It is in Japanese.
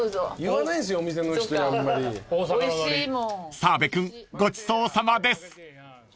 ［澤部君ごちそうさまです］